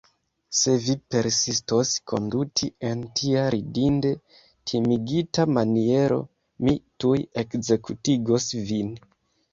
Se vi persistos konduti en tia ridinde timigita maniero, mi tuj ekzekutigos vin.